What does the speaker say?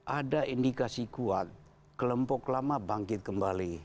ada indikasi kuat kelompok lama bangkit kembali